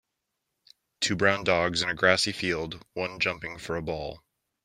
Two brown dogs in a grassy field, one jumping for a ball.